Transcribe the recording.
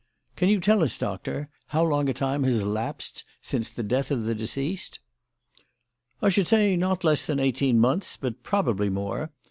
"Can you tell us, Doctor, how long a time has elapsed since the death of the deceased?" "I should say not less than eighteen months, but probably more.